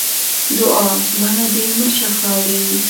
دوعا؛ بڼه دې مه شه خاوري.